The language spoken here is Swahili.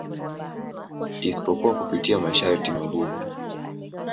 Isipokuwa kupitia masharti magumu.